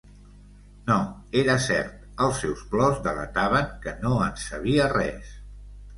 No, era cert, els seus plors delataven que no en sabia res.